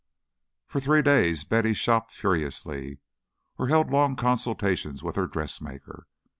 For three days Betty shopped furiously, or held long consultations with her dressmaker.